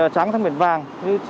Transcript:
trắng sang biển vàng